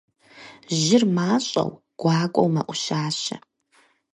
Жьыр мащӀэу, гуакӀуэу мэӀущащэ.